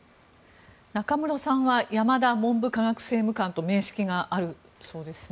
中室さんは山田文部科学政務官と面識があるそうですね。